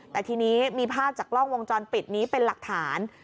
แต่ทีนี้มีภาพจากกล้องวงจรปิดนี้เป็นหลักฐาน